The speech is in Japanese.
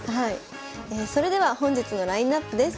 それでは本日のラインナップです。